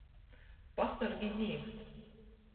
Pasorgi, Dīvs!